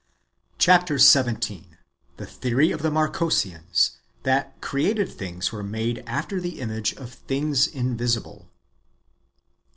Chap. xvii. — The theory of the Marcosians, that created things loere made after the image of things invisible, 1.